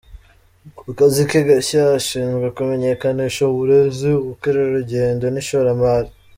Mu kazi ke gashya, ashinzwe kumenyekanisha uburezi, ubukerarugendo n'ishoramari.